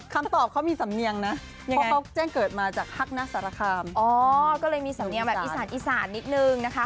คำตอบเค้ามีสำเนียงนะ